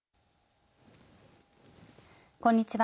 こんにちは。